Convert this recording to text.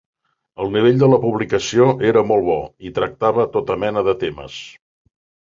El nivell de la publicació era molt bo, i tractava tota mena de temes.